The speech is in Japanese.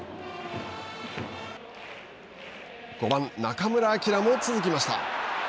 ５番、中村晃も続きました。